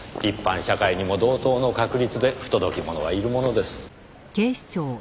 一般社会にも同等の確率で不届き者はいるものです。